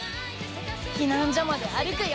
避難所まで歩くよ。